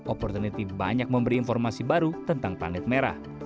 opportunity banyak memberi informasi baru tentang planet merah